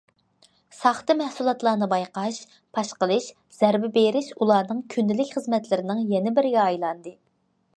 ساختا مەھسۇلاتلارنى بايقاش، پاش قىلىش، زەربە بېرىش ئۇلارنىڭ كۈندىلىك خىزمەتلىرىنىڭ يەنە بىرىگە ئايلاندى.